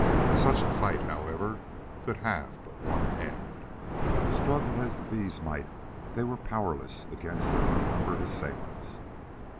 Such a fight, however, could have but one end. Struggle as the bees might, they were powerless against their un numbered assailants.